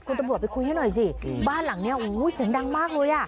คุณตำรวจไปคุยให้หน่อยสิบ้านหลังนี้เสียงดังมากเลย